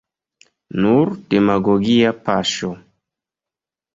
Nur demagogia paŝo.